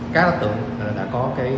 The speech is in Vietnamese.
các đối tượng đã có